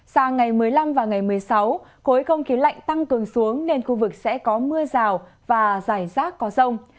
sang ngày một mươi năm và ngày một mươi sáu khối không khí lạnh tăng cường xuống nên khu vực sẽ có mưa rào và rải rác có rông